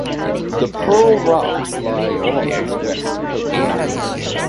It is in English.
The Pearl Rocks lie off its west coast.